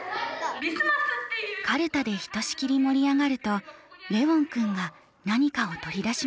カルタでひとしきり盛り上がるとレウォン君が何かを取り出しました。